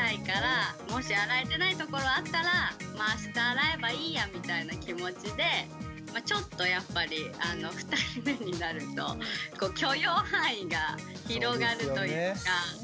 もし洗えてないところあったらあした洗えばいいやみたいな気持ちでちょっとやっぱり２人目になると許容範囲が広がるというか。